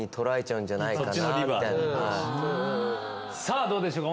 さぁどうでしょうか？